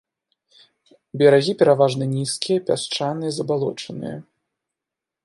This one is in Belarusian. Берагі пераважна нізкія, пясчаныя, забалочаныя.